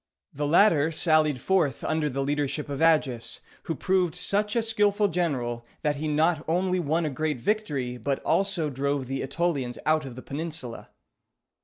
The latter sallied forth under the leadership of Agis, who proved such a skillful general, that he not only won a great victory, but also drove the Ætolians out of the peninsula.